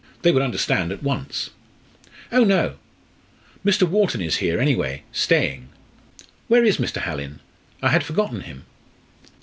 They would understand at once." "Oh, no! Mr. Wharton is here anyway staying. Where is Mr. Hallin? I had forgotten him."